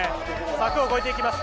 柵を越えていきます。